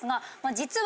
実は。